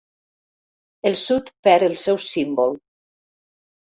El sud perd el seu símbol.